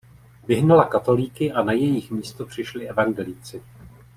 Vyhnala katolíky a na jejich místo přišli evangelíci.